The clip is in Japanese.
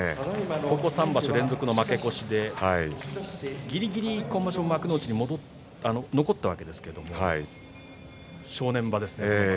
ここ３場所連続の負け越しで、ぎりぎり今場所幕内に残ったわけですが正念場ですね。